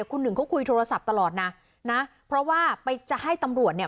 คุณหนึ่งเขาคุยโทรศัพท์ตลอดนะนะเพราะว่าไปจะให้ตำรวจเนี่ย